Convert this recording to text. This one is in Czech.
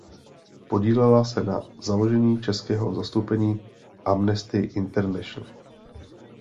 Podílela se na založení českého zastoupení Amnesty International.